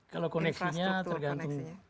kalau koneksinya tergantung